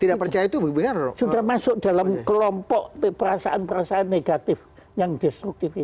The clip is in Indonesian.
tidak percaya itu sudah masuk dalam kelompok perasaan perasaan negatif yang destruktif itu